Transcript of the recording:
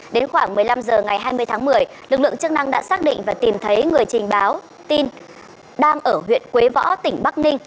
đến khoảng một mươi năm h ngày hai mươi tháng một mươi lực lượng chức năng đã xác định và tìm thấy người trình báo tin đang ở huyện quế võ tỉnh bắc ninh